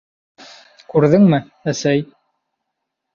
Күрҙеңме, әсәй?